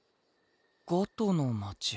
ガトの町。